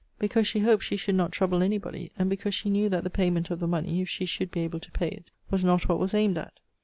Because she hoped she should not trouble any body; and because she knew that the payment of the money if she should be able to pay it, was not what was aimed at.